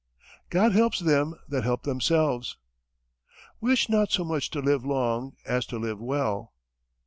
God helps them that help themselves. Wish not so much to live long as to live well.